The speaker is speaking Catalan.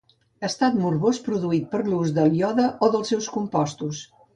Estat morbós produït per l'ús del iode o dels seus compostos.